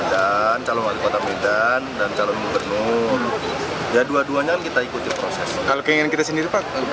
pak oli sudah jadi kader ya pak